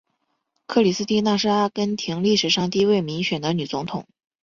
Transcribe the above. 克里斯蒂娜是阿根廷历史上第一位民选的女总统。